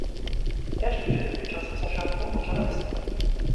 Er studierte Wirtschaftswissenschaften und Journalistik.